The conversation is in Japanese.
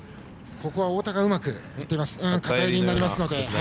ここは太田がうまく組んでいます。